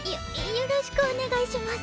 よろしくお願いします。